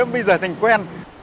bây giờ thành quen